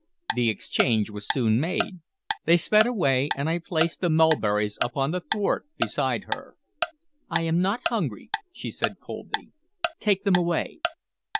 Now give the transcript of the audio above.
The exchange was soon made; they sped away, and I placed the mulberries upon the thwart beside her. "I am not hungry," she said coldly. "Take them away."